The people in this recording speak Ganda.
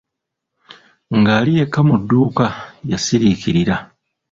Ng'ali yekka mu dduuka yasirikirira.